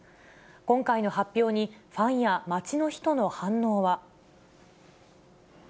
今回の発表に、ファンや街の人の反応は。